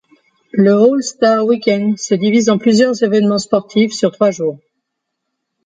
Le All-Star Week-end se divise en plusieurs évènements sportifs sur trois jours.